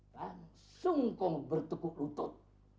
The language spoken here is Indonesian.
langsung kau bertukuk rutut